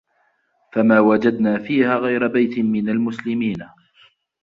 فَما وَجَدنا فيها غَيرَ بَيتٍ مِنَ المُسلِمينَ